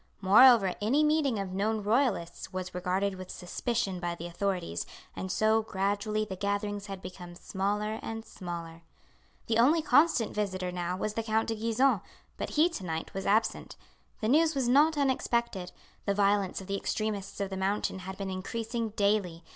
Moreover, any meeting of known Royalists was regarded with suspicion by the authorities, and so gradually the gatherings had become smaller and smaller. The only constant visitor now was the Count de Gisons, but he to night was absent. The news was not unexpected. The violence of the extremists of the Mountain had been increasing daily.